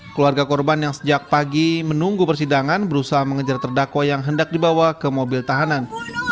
keluarga korban yang sejak pagi menunggu persidangan berusaha mengejar terdakwa yang hendak dibawa ke mobil tahanan